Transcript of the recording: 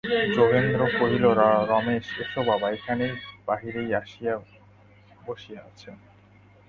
যোগেন্দ্র কহিল, রমেশ, এসো, বাবা এইখানে বাহিরেই বসিয়া আছেন।